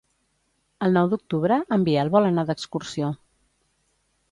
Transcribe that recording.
El nou d'octubre en Biel vol anar d'excursió.